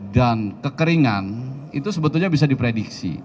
dan kekeringan itu sebetulnya bisa diprediksi